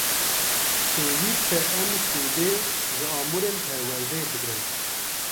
Pêwîst e em sûdê ji amûrên perwerdeyê bigrin.